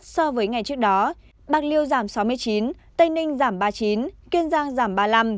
so với ngày trước đó bạc liêu giảm sáu mươi chín tây ninh giảm ba mươi chín kiên giang giảm ba mươi năm